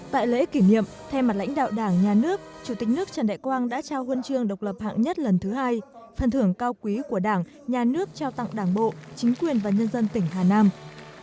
tại lễ kỷ niệm thay mặt lãnh đạo đảng nhà nước chủ tịch nước trần đại quang đã trao huân trường độc lập hạng nhất lần thứ hai phần thưởng cao quý của đảng nhà nước trao tặng đảng bộ chính quyền và nhân dân tỉnh hà nam